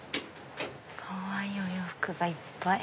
かわいいお洋服がいっぱい。